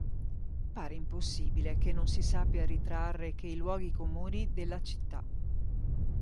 Pare impossibile che non si sappia ritrarre che i luoghi comuni della città.